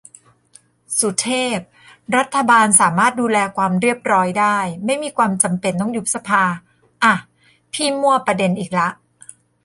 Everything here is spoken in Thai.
สุเทพ :"รัฐบาลสามารถดูแลความเรียบร้อยได้ ไม่มีความจำเป็นต้องยุบสภา" อ่ะ พี่มั่วประเด็นอีกละ